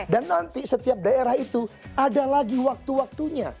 dan nanti setiap daerah itu ada lagi waktu waktunya